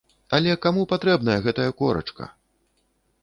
Але каму патрэбная гэтая корачка!